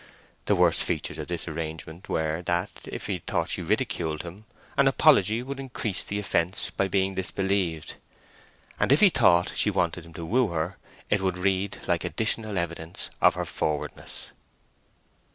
The worst features of this arrangement were that, if he thought she ridiculed him, an apology would increase the offence by being disbelieved; and if he thought she wanted him to woo her, it would read like additional evidence of her forwardness.